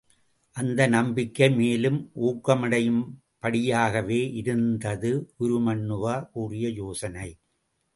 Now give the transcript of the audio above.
அந்த நம்பிக்கை மேலும் ஊக்கமடையும் படியாகவே இருந்தது, உருமண்ணுவா கூறிய யோசனை.